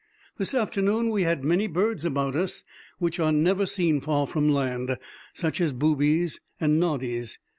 This afternoon we had many birds about us which are never seen far from land, such as boobies and noddies.